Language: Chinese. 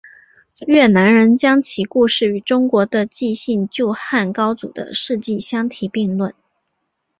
越南人将其故事与中国的纪信救汉高祖的事迹相提并论。